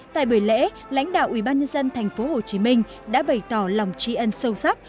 tại buổi lễ lãnh đạo ủy ban nhân dân tp hcm đã bày tỏ lòng trí ân sâu sắc